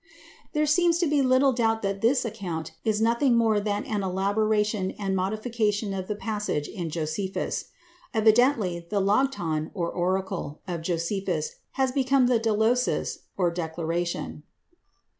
There seems to be little doubt that this account is nothing more than an elaboration and modification of the passage in Josephus. Evidently the λόγιον (oracle) of Josephus has become the δήλωσις (declaration).